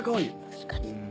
確かに。